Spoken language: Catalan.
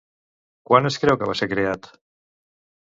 Quan es creu que va ser creat?